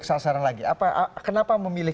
sasaran lagi kenapa memilih